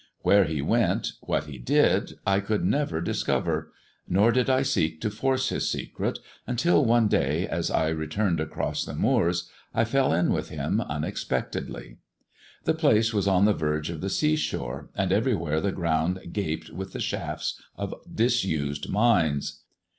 "Where he went, what he did, I could never discover ; nor did I seek to force his secret, until one day, as I returned across the moors, I fell in with him unexpectedly. The place was on the verge of the sea shore, and every where the ground gaj)ed with the shafts of disused mines.